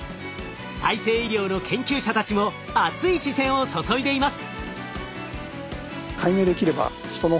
再生医療の研究者たちも熱い視線を注いでいます。